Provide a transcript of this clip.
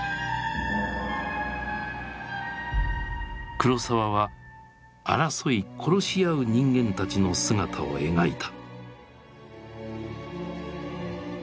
黒澤は争い殺し合う人間たちの姿を描いた。